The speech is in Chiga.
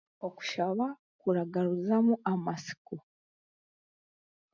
Okushaaba kuragaruzamu amatsiko.